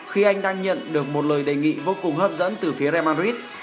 khi anh đang nhận được một lời đề nghị vô cùng hấp dẫn từ phía real madrid